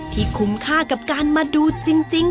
คุ้มค่ากับการมาดูจริง